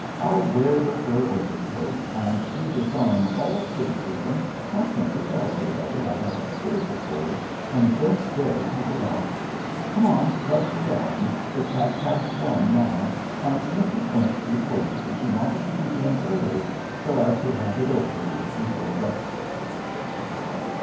'I'll wear the fur overcoat, and to disarm all criticism I'll simply tell everybody I have a fearful cold and don't dare take it off. Come on let's go down. It's half past one now, and Mrs. Winchley told me she wanted to begin early, so as to have it over with before breakfast.'"